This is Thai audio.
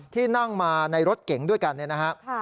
ที่นั่งมาในรถเก๋งด้วยกันเนี่ยนะครับ